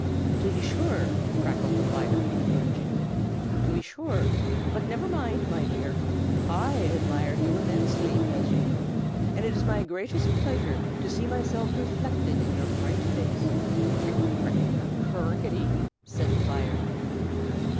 "To be sure!" crackled the fire, encouragingly. "To be sure! But never mind, my dear! I admire you immensely, as you know, and it is my greatest pleasure to see myself reflected in your bright face. Crick! crack! cr r r r rickety!" said the fire.